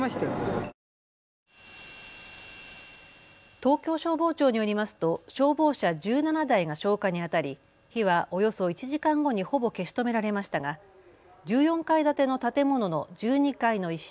東京消防庁によりますと消防車１７台が消火にあたり火はおよそ１時間後にほぼ消し止められましたが１４階建ての建物の１２階の一室